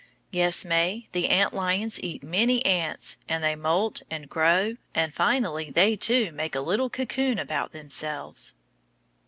Yes, May, the ant lions eat many ants, and they moult and grow, and, finally, they, too, make a little cocoon about themselves.